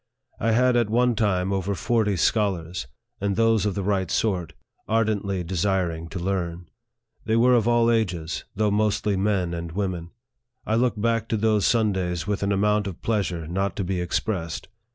I had at one time over forty scholars, and those of the right sort, ardently desiring to learn. They were of all ages, though mostly men and women. I look back to those Sundays with an amount of pleasure not to be expressed.